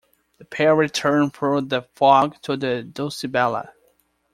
The pair return through the fog to the "Dulcibella".